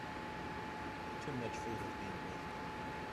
Too much food is being wasted.